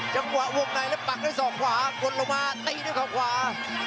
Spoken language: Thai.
จังหวะวงในแล้วปักด้วยศอกขวากดลงมาตีด้วยเขาขวา